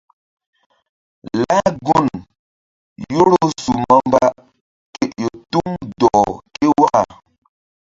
Lah gun Yoro su mbamba ke ƴo tuŋ dɔh ke waka.